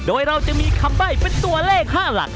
โดยเราจะมีคำใบ้เป็นตัวเลข๕หลัก